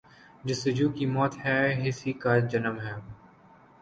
جستجو کی موت بے حسی کا جنم ہے۔